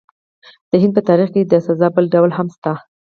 د هند په تاریخ کې د سزا بل ډول هم شته.